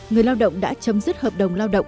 người lao động đã chấm dứt hợp đồng